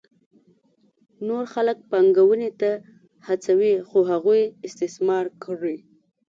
نور خلک پانګونې ته هڅوي څو هغوی استثمار کړي